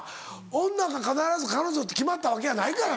女が必ず彼女って決まったわけやないからな。